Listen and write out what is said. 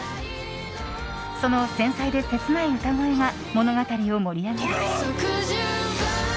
その繊細で切ない歌声が物語を盛り上げる。